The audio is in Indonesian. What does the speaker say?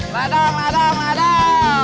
ladang ladang ladang